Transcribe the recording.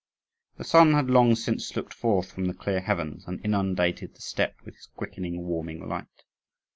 The sun had long since looked forth from the clear heavens and inundated the steppe with his quickening, warming light.